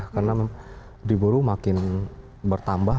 karena diburu makin bertambah